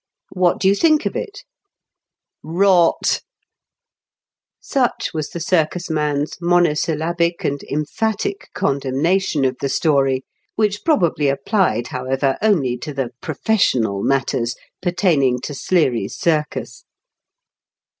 " What do you think of it ?"" Eot 1 " Such was the circus man's monosyllabic and emphatic condemnation of the story, which probably applied, however, only to the "professional" matters pertaining to Sleaxy's circus.